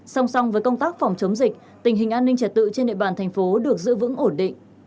song song với công tác phòng chống dịch tình hình an ninh trật tự trên địa bàn thành phố được giữ vững ổn định